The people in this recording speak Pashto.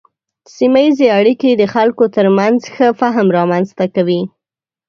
سیمه ایزې اړیکې د خلکو ترمنځ ښه فهم رامنځته کوي.